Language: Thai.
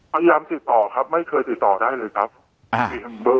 พยายามติดต่อครับไม่เคยติดต่อได้เลยครับ